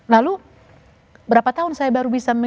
lalu berapa tahun saya baru bisa